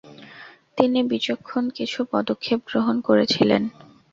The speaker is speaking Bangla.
তিনি বিচক্ষণ কিছু পদক্ষেপ গ্রহণ করেছিলেন।